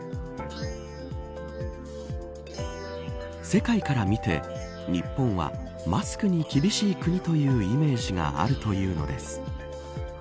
世界から見て日本はマスクに厳しい国というイメージがあるというのです。